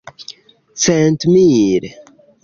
centmil